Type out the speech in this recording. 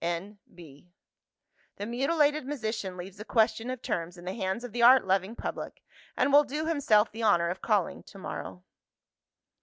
N.B. The mutilated musician leaves the question of terms in the hands of the art loving public, and will do himself the honour of calling to morrow."